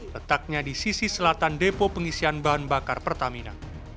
letaknya di sisi selatan depo pengisian bahan bakar pertamina